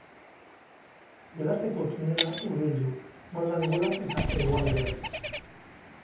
Belateko tunela hurbil du, maldan gora eta hegoaldean.